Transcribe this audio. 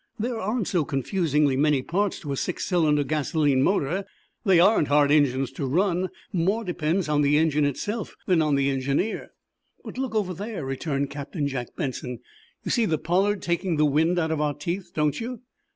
"There aren't so confusingly many parts to a six cylinder gasoline motor. They aren't hard engines to run. More depends on the engine itself than on the engineer." "But look over there," returned Captain Jack Benson. "You see the 'Pollard' taking the wind out of our teeth, don't you?"